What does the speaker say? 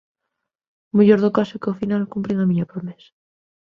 O mellor do caso é que, ó final, cumprín a miña promesa.